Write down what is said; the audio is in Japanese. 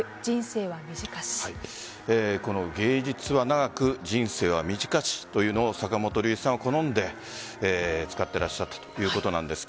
この芸術は長く、人生は短しというのを坂本龍一さんは好んで使ってらっしゃったということなんですが。